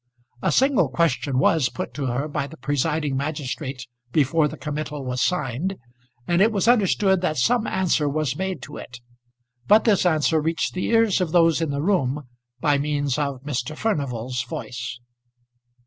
A single question was put to her by the presiding magistrate before the committal was signed, and it was understood that some answer was made to it; but this answer reached the ears of those in the room by means of Mr. Furnival's voice.